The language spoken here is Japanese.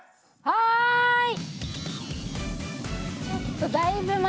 はい。